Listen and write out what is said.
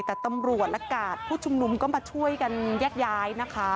แต่ตำรวจและกาดผู้ชุมนุมก็มาช่วยกันแยกย้ายนะคะ